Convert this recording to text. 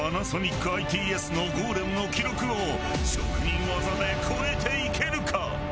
ＰａｎａｓｏｎｉｃＩＴＳのゴーレムの記録を職人技で超えていけるか？